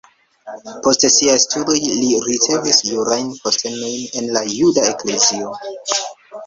Post siaj studoj li ricevis jurajn postenojn en la juda eklezio.